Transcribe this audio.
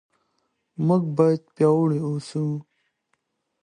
موږ باید پیاوړي اوسو.